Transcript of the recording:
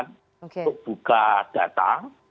untuk buka data